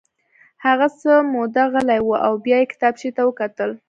هغه څه موده غلی و او بیا یې کتابچې ته وکتل